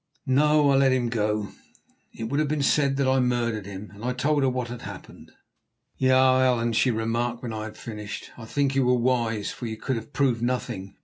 "No; I let him go. It would have been said that I murdered him," and I told her what had happened. "Ja, Allan," she remarked when I had finished. "I think you were wise, for you could have proved nothing.